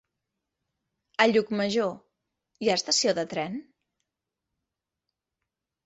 A Llucmajor hi ha estació de tren?